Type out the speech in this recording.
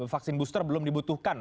vaksin booster belum dibutuhkan